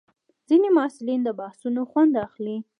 ځینې محصلین د بحثونو خوند اخلي.